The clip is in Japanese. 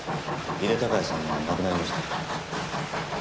井手孝也さんが亡くなりました。